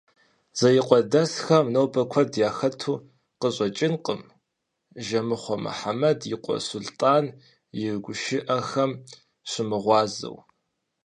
Зеикъуэдэсхэм нобэ куэд яхэту къыщӏэкӏынкъым Жэмыхъуэ Мухьэмэд и къуэ Сулътӏан и гушыӏэхэм щымыгъуазэ.